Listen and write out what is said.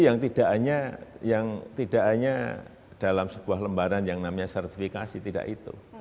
yang tidak hanya dalam sebuah lembaran yang namanya sertifikasi tidak itu